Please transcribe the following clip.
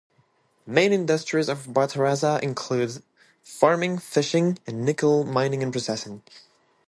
Main industries of Bataraza includes farming, fishing, and nickel mining and processing.